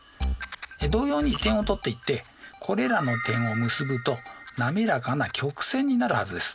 同様に点を取っていってこれらの点を結ぶと滑らかな曲線になるはずです。